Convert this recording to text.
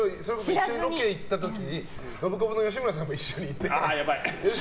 一緒にロケ行った時にノブコブの吉村さんと一緒に行って。